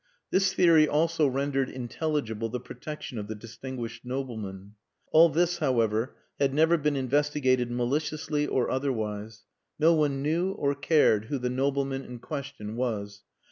This theory also rendered intelligible the protection of the distinguished nobleman. All this, however, had never been investigated maliciously or otherwise. No one knew or cared who the nobleman in question was.